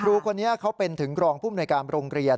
ครูคนนี้เขาเป็นถึงรองภูมิหน่วยการโรงเรียน